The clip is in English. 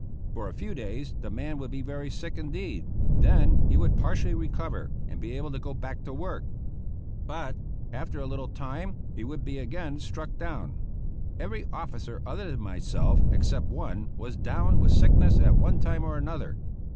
For a few days the man would be very sick indeed; then he would partially recover, and be able to go back to work; but after a little time he would be again struck down. Every officer other than myself except one was down with sickness at one time or another.